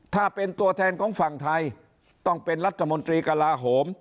ถ้าเป็นตัวแทนของฝั่งไทยต้องเป็นรัฐมนตรีกระลาโหม